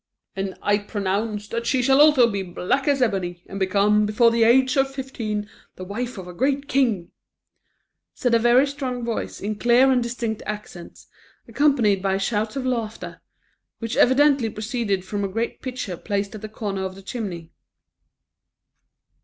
"And I pronounce that she shall also be as black as ebony, and become, before the age of fifteen, the wife of a great king," said a very strong voice in clear and distinct accents, accompanied by shouts of laughter, which evidently proceeded from a great pitcher placed at the corner of the chimney.